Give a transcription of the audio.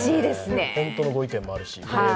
本当のご意見もあるし。